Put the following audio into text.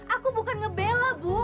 aku bukan ngebela bu